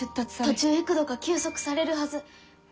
途中幾度か休息されるはず。